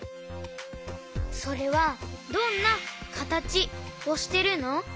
それはどんなかたちをしてるの？